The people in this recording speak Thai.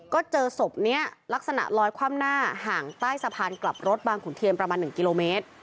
ก็เจอศพนี้ลักษณะลอยคว่ำหน้าห่างใต้สะพานกลับรถบางขุนเทียนประมาณ๑กิโลเมตร